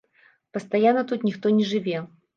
Пастаянна тут ніхто не жыве.